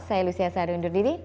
saya lucia sari undur diri